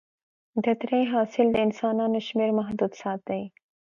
د درې حاصل د انسانانو شمېر محدود ساتي.